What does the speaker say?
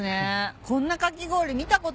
こんなかき氷見たことない。